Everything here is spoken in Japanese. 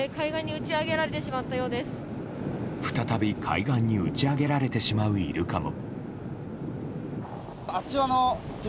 再び海岸に打ち上げられてしまうイルカも。